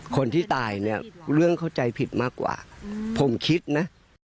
คนที่ตายเนี่ยเรื่องเข้าใจผิดมากกว่าผมคิดนะ